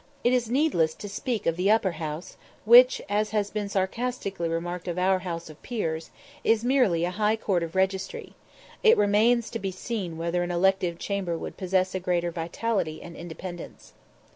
It is needless to speak of the Upper House, which, as has been sarcastically remarked of our House of Peers, is merely a "High Court of Registry" it remains to be seen whether an elective chamber would possess greater vitality and independence.